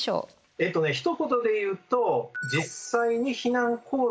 えっとねひと言で言うと実際に避難行動。